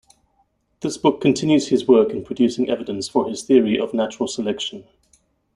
This book continues his work in producing evidence for his theory of natural selection.